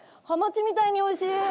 ハマチみたいにおいしい。